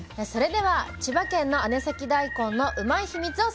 それでは千葉県の姉崎だいこんのうまいッ！